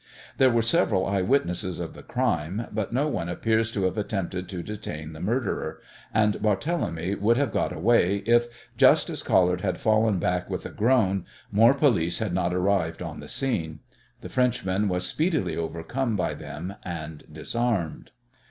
There were several eye witnesses of the crime, but no one appears to have attempted to detain the murderer, and Barthélemy would have got away if, just as Collard had fallen back with a groan, more police had not arrived on the scene. The Frenchman was speedily overcome by them and disarmed.